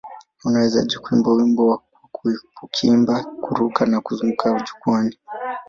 Unawezaje kuimba wimbo kwa kukimbia, kururuka na kuzunguka jukwaani?